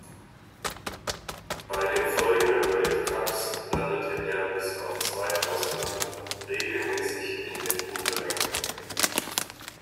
Bei den folgenden Weltcups landete er bis auf zwei Ausnahmen regelmäßig in den Punkterängen.